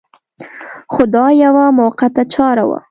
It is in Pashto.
خو دا یوه موقته چاره وه.